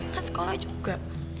kan sekolah juga